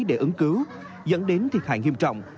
để ứng cứu dẫn đến thiệt hại nghiêm trọng